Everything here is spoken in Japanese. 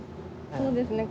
そうですね。